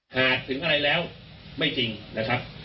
หากถึงอะไรแล้วไม่จริงนะครับ